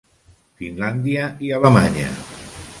Finlàndia i Alemanya.